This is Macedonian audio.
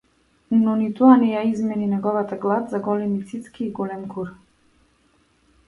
Но ни тоа не ја измени неговата глад за големи цицки и голем кур.